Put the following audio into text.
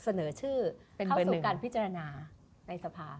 เป็นทางเลือกแรกให้เข้าสู่การพิจารณาในสภาพ